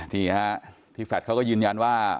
นี่ฮะที่แฟลตเขาก็ยืนยันว่า